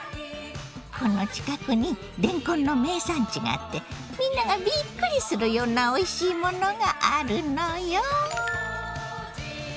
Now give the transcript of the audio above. この近くにれんこんの名産地があってみんながびっくりするようなおいしいものがあるのよ！